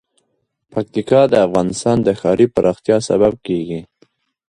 پکتیکا د افغانستان د ښاري پراختیا سبب کېږي.